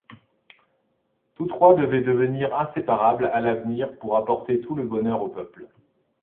Tous trois devaient devenir inséparables à l'avenir pour apporter tout le bonheur au peuple.